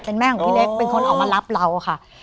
เป็นแม่ของพี่เล็กเป็นคนออกมารับเราค่ะ